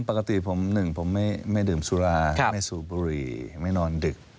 ปกติผมหนึ่งผมไม่ดื่มสุราไม่สูบบุหรี่ไม่นอนดึก